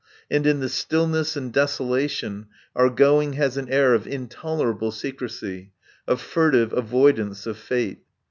And in the stillness and desolation our going has an air of intolerable secrecy, of furtive avoidance of fate.